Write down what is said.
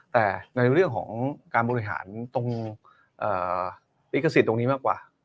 แต่ในเรื่องของการบริหารตรงลิขสิทธิ์ตรงนี้มากกว่า